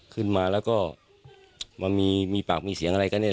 ขึ้นมาแล้วก็มามีปากมีเสียงอะไรกันเนี่ย